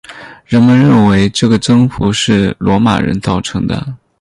人们认为这个增幅是罗马人造成的。